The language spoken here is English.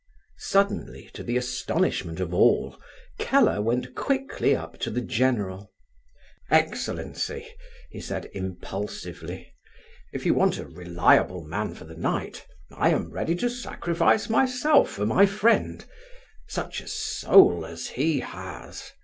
Suddenly, to the astonishment of all, Keller went quickly up to the general. "Excellency," he said, impulsively, "if you want a reliable man for the night, I am ready to sacrifice myself for my friend—such a soul as he has!